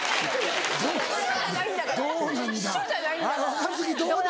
若槻どうなんだ？